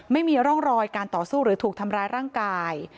ไม่มีร่องรอยการต่อสู้หรือถูกทำร้ายร่างกาย